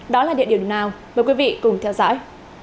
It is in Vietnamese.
đó là địa điểm nào mời quý vị cùng theo dõi